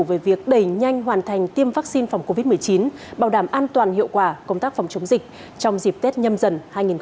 về việc đẩy nhanh hoàn thành tiêm vaccine phòng covid một mươi chín bảo đảm an toàn hiệu quả công tác phòng chống dịch trong dịp tết nhâm dần hai nghìn hai mươi